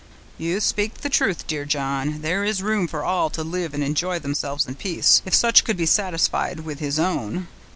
"You speak the truth, dear John; there is room for all to live and enjoy themselves in peace, if each could be satisfied with his own.